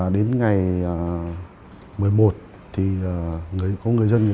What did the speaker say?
đến ngày một mươi một thì người có người dân